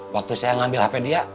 waktu saya ngambil hp dia